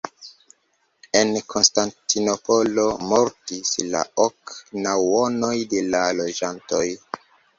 En Konstantinopolo mortis la ok naŭonoj de la loĝantoj.